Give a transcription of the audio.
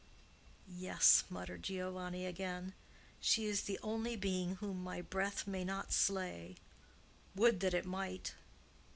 "Yes," muttered Giovanni again. "She is the only being whom my breath may not slay! Would that it might!"